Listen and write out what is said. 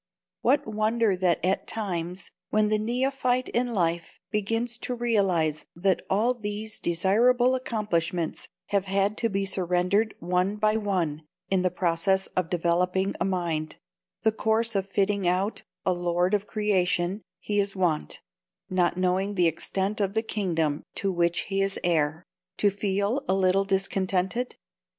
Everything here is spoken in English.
What wonder that at times, when the neophyte in life begins to realise that all these desirable accomplishments have had to be surrendered one by one in the process of developing a Mind, the course of fitting out a Lord of Creation, he is wont—not knowing the extent of the kingdom to which he is heir—to feel a little discontented?